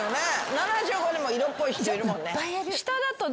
７５でも色っぽい人いるもんね。